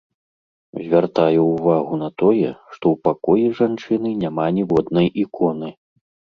Звяртаю ўвагу на тое, што ў пакоі жанчыны няма ніводнай іконы.